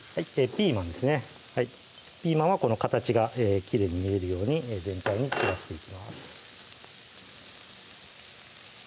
ピーマンはこの形がきれいに見えるように全体に散らしていきます